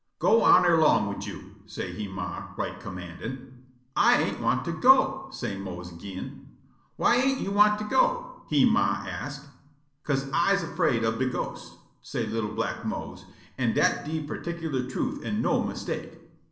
"Go on erlong wid yo'," say' he ma, right commandin'. "I ain't want to go," say' Mose ag'in. "Why ain't yo' want to go?" he ma ask'. "'Ca'se I's afraid ob de ghosts," say' li'l' black Mose, an' dat de particular truth an' no mistake.